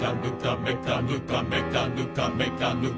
「めかぬかめかぬかめかぬか」